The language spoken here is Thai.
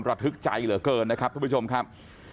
ประทึกใจเหลือเกินนะครับจะชมครับ